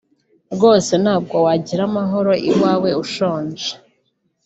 rwose ntabwo wagira amahoro iwawe ushonje